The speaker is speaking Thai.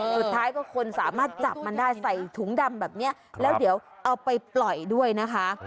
สุดท้ายก็คนสามารถจับมันได้ใส่ถุงดำแบบนี้แล้วเดี๋ยวเอาไปปล่อยด้วยนะคะ